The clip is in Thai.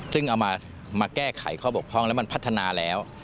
ซึ่งเอามาแก้ไขข้อบกพร่องแล้วมันพัฒนาแล้ว